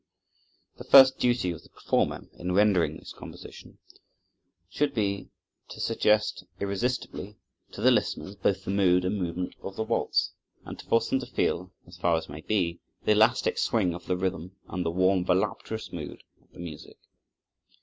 The first duty of the performer in rendering this composition should be to suggest irresistibly to the listeners both the mood and movement of the waltz, and to force them to feel, as far as may be, the elastic swing of the rhythm and the warm, voluptuous mood of the music.